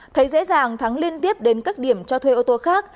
thấy dễ dàng thắng liên tiếp đến các điểm cho thuê ô tô khác